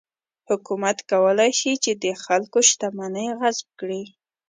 حکومت کولای شي چې د خلکو شتمنۍ غصب کړي.